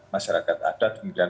masyarakat adat kemudian